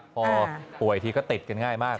พอป่วยทีก็ติดกันง่ายมาก